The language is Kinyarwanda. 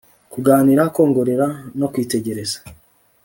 kuganira, kwongorera no kwitegereza